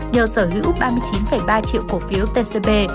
nhờ sở hữu ba mươi chín ba triệu cổ phiếu tcb